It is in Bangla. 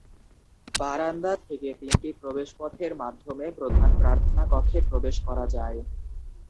বারান্দা থেকে তিনটি প্রবেশপথের মাধ্যমে প্রধান প্রার্থনা কক্ষে প্রবেশ করা যায়।